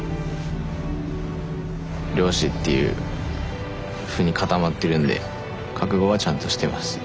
漁師っていうふうに固まってるんで覚悟はちゃんとしてます。